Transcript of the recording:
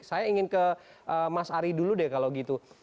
saya ingin ke mas ari dulu deh kalau gitu